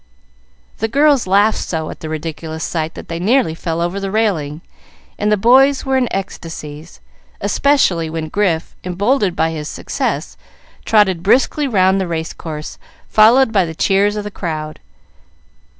The girls laughed so at the ridiculous sight that they nearly fell over the railing, and the boys were in ecstasies, especially when Grif, emboldened by his success, trotted briskly round the race course, followed by the cheers of the crowd.